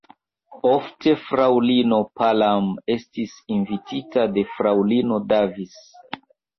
Ofte fraŭlino Palam estis invitita de fraŭlino Davis.